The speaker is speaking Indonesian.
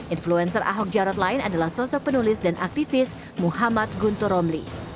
influencer ahok jarot lain adalah sosok penulis dan aktivis muhammad guntur romli